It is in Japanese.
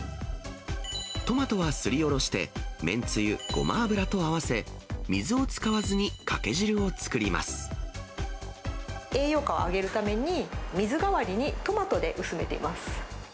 トマトはすりおろしてめんつゆ、ごま油と合わせ、栄養価を上げるために、水代わりにトマトで薄めています。